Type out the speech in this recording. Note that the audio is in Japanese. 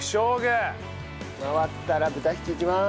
回ったら豚ひきいきます。